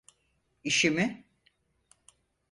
İşimi…